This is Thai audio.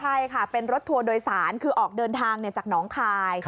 ใช่ค่ะเป็นรถทัวร์โดยสารคือออกเดินทางจากหนองคาย